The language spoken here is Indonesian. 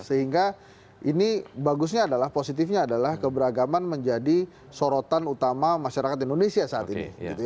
sehingga ini bagusnya adalah positifnya adalah keberagaman menjadi sorotan utama masyarakat indonesia saat ini